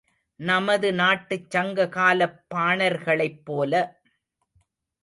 நமது நாட்டுச் சங்க காலப் பாணர்களைப் போல!